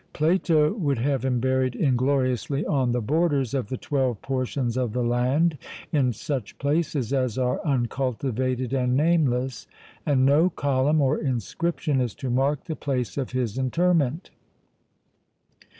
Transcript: Plato would have him 'buried ingloriously on the borders of the twelve portions of the land, in such places as are uncultivated and nameless,' and 'no column or inscription is to mark the place of his interment.'